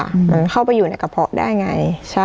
เหมือนเข้าไปอยู่ในกระเพาะได้ไง